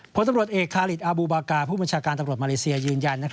ผลตำรวจเอกคาริสอาบูบากาผู้บัญชาการตำรวจมาเลเซียยืนยัน